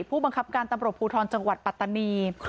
ผู้บังคับการตำรวจภูทรจังหวัดปัตตานี